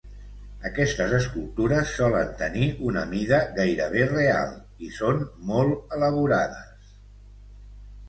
Aquestes escultures solent tenir una mida gairebé real i són molt elaborades.